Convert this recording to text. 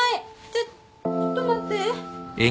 ちょちょっと待って。